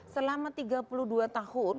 selama tiga puluh dua tahun